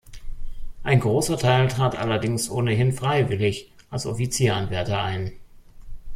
Ein großer Teil trat allerdings ohnehin freiwillig als Offizieranwärter ein.